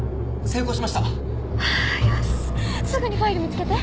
よしすぐにファイル見つけて。